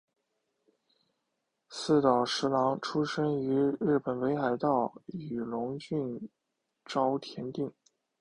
寺岛实郎出生于日本北海道雨龙郡沼田町。